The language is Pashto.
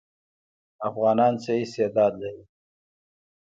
افغانان څه استعداد لري؟